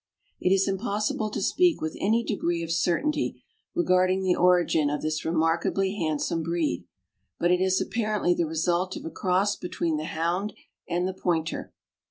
It is impossible to speak with any degree of certainty regarding the origin of this remarkably handsome breed, but it is apparently the result of a cross between the Hound and the Pointer.